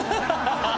ハハハハ！